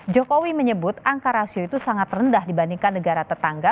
jokowi menyebut angka rasio itu sangat rendah dibandingkan negara tetangga